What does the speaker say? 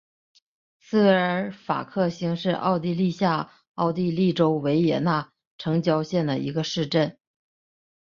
茨韦尔法克兴是奥地利下奥地利州维也纳城郊县的一个市镇。